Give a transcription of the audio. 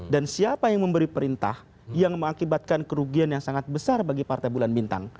dan siapa yang memberi perintah yang mengakibatkan kerugian yang sangat besar bagi partai bulan bintang